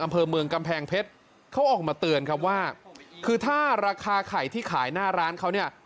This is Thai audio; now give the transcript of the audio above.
อำเภอเมืองกำแพงเพชรเขาออกมาเตือนครับว่าคือถ้าราคาไข่ที่ขายหน้าร้านเขาเนี่ย